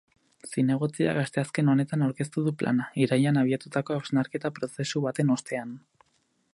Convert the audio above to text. Zinegotziak asteazken honetan aurkeztu du plana, irailean abiatutako hausnarketa prozesu baten ostean.